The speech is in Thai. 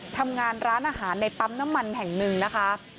ทำงานร้านอาหารในปั๊มน้ำมันแห่งหนึ่งนะคะ